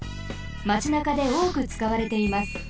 まちなかでおおくつかわれています。